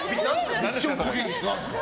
何ですか？